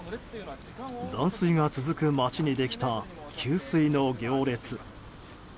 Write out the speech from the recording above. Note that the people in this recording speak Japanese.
断水が続く町にできた給水の行列。